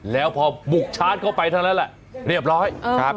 แล้วพอบุกชาร์จเข้าไปเท่านั้นแหละเรียบร้อยครับ